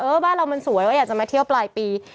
บ้านเรามันสวยว่าอยากจะมาเที่ยวปลายปี